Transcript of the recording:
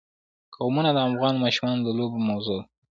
قومونه د افغان ماشومانو د لوبو موضوع ده.